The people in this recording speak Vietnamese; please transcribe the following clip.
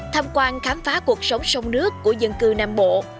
tham quan khám phá cuộc sống sông nước của dân cư nam bộ